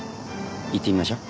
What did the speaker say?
行ってみましょう。